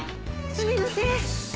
すみません。